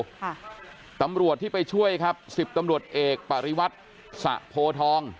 ค่ะตำรวจที่ไปช่วยครับสิบตำรวจเอกปริวัติสะโพทอง